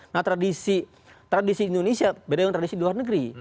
nah tradisi indonesia beda dengan tradisi luar negeri